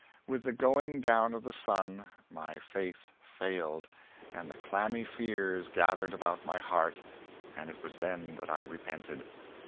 With the going down of the sun my faith failed, and the clammy fears gathered about my heart. It was then that I repented.